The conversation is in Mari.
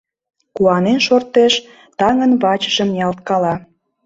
Куанен шортеш, таҥын вачыжым ниялткала.